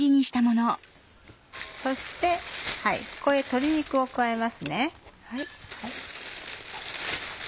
そしてここへ鶏肉を加えます。